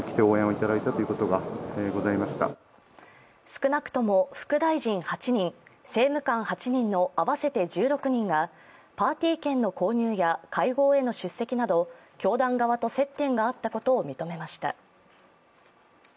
少なくとも副大臣８人政務官８人の合わせて１６人がパーティー券の購入や会合への出席など教団側と接点があったことを認めました。